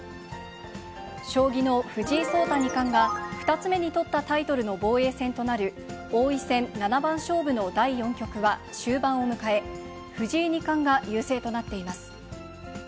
将棋の藤井聡太二冠が、２つ目に取ったタイトルの防衛戦となる、王位戦七番勝負の第４局は終盤を迎え、藤井二冠が優勢となっています。